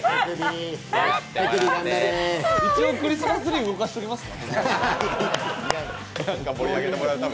一応、クリスマスツリー動かしておきますか。